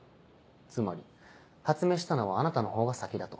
つまり発明したのはあなたの方が先だと。